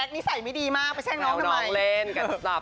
พี่แจ๊คนิสัยไม่ดีมากไปช่างน้องทำไม